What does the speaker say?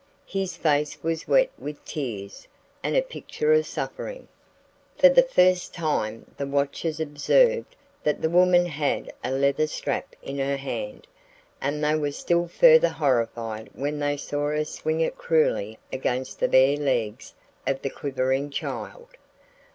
His face was wet with tears and a picture of suffering. For the first time the watchers observed that the woman had a leather strap in her hand, and they were still further horrified when they saw her swing it cruelly against the bare legs of the quivering child.